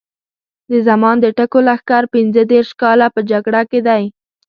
د زمان د ټکو لښکر پینځه دېرش کاله په جګړه کې دی.